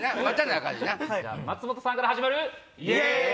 松本さんから始まる！イェイ！